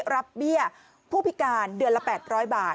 เบี้ยผู้พิการเดือนละ๘๐๐บาท